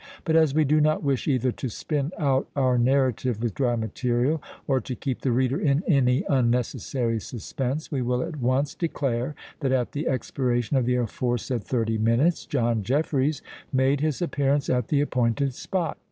But as we do not wish either to spin out our narrative with dry material, or to keep the reader in any unnecessary suspense, we will at once declare that at the expiration of the aforesaid thirty minutes John Jeffreys made his appearance at the appointed spot.